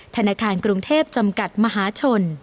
ธนาคารกรุงเทพจำกัดมหาชน